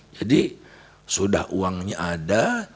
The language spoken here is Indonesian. jadi sudah uangnya ada